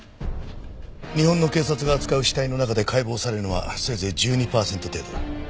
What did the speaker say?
日本の警察が扱う死体の中で解剖されるのはせいぜい１２パーセント程度だ。